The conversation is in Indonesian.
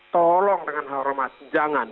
tolong dengan hal remas jangan